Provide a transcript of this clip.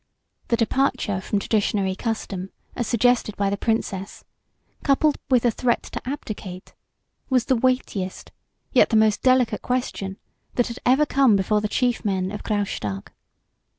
The departure from traditionary custom, as suggested by the Princess, coupled with the threat to abdicate, was the weightiest, yet the most delicate question that had ever come before the chief men of Graustark.